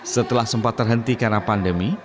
setelah sempat terhenti karena pandemi